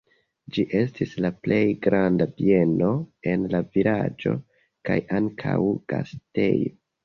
Ĝi estis la plej granda bieno en la vilaĝo kaj ankaŭ gastejo.